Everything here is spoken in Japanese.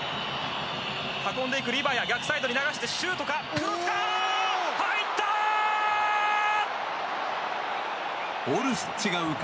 運んでいくリバヤ逆サイドに流してシュートか。